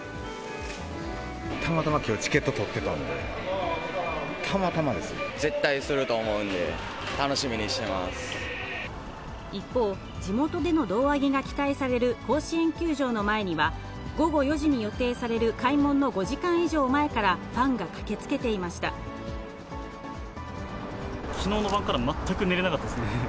たまたま、きょうチケット取絶対すると思うんで、一方、地元での胴上げが期待される甲子園球場の前には、午後４時に予定される開門の５時間以上前からファンが駆けつけてきのうの晩から全く寝れなかったですね。